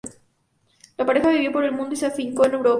La pareja viajó por el mundo y se afincó en Europa.